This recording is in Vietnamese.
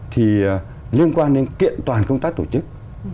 thì liên quan đến kiện toàn công tác tổ chức